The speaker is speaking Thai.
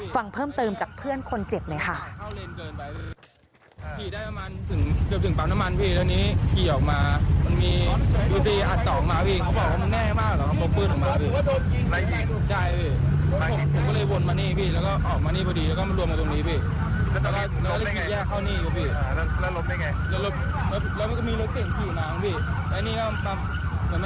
ฟังเพิ่มเติมจากเพื่อนคนเจ็บหน่อยค่ะ